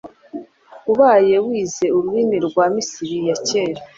ubaye wize ururimi rwa Misiri ya kera.